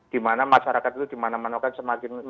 dimana masyarakat itu dimana mana kan semakin